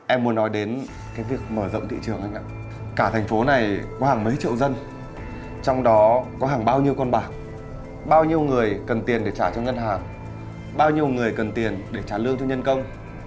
em muốn nói đến cái việc mở rộng thị trường anh ạ cả thành phố này có hàng mấy triệu dân trong đó có hàng bao nhiêu con bạc bao nhiêu người cần tiền để trả cho ngân hàng bao nhiêu người cần tiền để trả lương cho nhân công